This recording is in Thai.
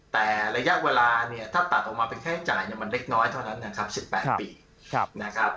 แต่ระยะเวลาเนี่ยถ้าตัดออกมาเป็นค่าใช้จ่ายมันเล็กน้อยเท่านั้นนะครับ๑๘ปีนะครับ